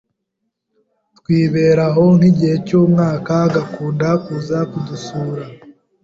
twibera aho nk’igihe cy’umwaka, agukunda kuza kudusura